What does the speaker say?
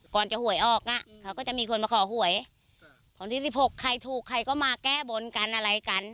ก่อนจะหวยออกอ่ะเขาก็จะมีคนมาขอหวยของที่สิบหกใครถูกใครก็มาแก้บนกันอะไรกัน